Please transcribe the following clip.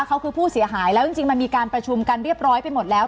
เขาคือผู้เสียหายแล้วจริงมันมีการประชุมกันเรียบร้อยไปหมดแล้ว